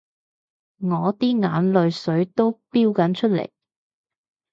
我啲眼淚水都標緊出嚟